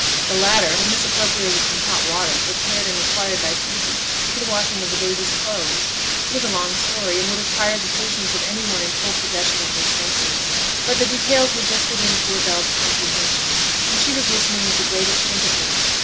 The latter had misappropriated some hot water, prepared and required by Phoebe, to the washing of the baby's clothes; it was a long story, and would have tired the patience of any one in full possession of their senses; but the details were just within poor Bell's comprehension, and she was listening with the greatest sympathy.